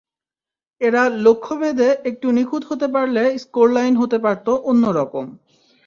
এঁরা লক্ষ্যভেদে একটু নিখুঁত হতে পারলে স্কোরলাইন হতে পারত অন্য রকম।